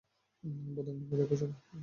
বন্দুক নামিয়ে রাখো, সবাই।